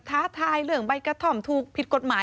ท้าทายเรื่องใบกระท่อมถูกผิดกฎหมาย